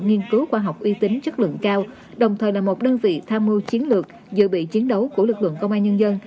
nghiên cứu khoa học uy tín chất lượng cao đồng thời là một đơn vị tham mưu chiến lược dự bị chiến đấu của lực lượng công an nhân dân